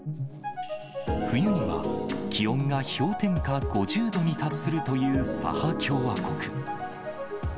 冬には気温が氷点下５０度に達するというサハ共和国。